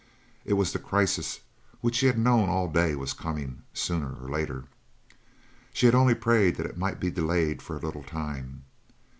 It was the crisis which she had known all day was coming, sooner or later. She had only prayed that it might be delayed for a little time.